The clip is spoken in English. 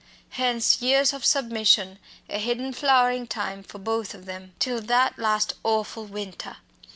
Hence years of submission, a hidden flowering time for both of them. Till that last awful winter!